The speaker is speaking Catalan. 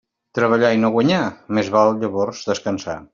Treballar i no guanyar? Més val, llavors, descansar.